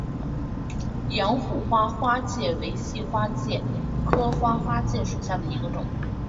阳虎花花介为细花介科花花介属下的一个种。